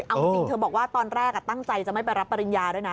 เอาจริงเธอบอกว่าตอนแรกตั้งใจจะไม่ไปรับปริญญาด้วยนะ